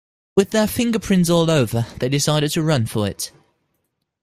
With their fingerprints all over, they decided to run for it.